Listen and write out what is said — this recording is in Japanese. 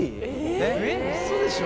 えっウソでしょ。